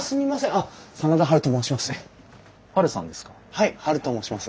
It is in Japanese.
はいハルと申します。